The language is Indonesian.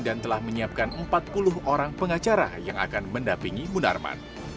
dan telah menyiapkan empat puluh orang pengacara yang akan mendapingi munarman